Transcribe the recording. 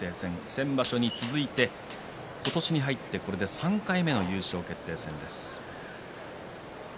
先場所に続いて今年に入ってこれで３回目の優勝決定戦です。